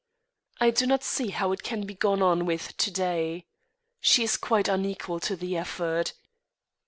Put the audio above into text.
I do not see how it can be gone on with to day. She is quite unequal to the effort."